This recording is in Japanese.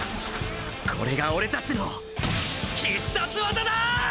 これが俺たちの必殺技だ！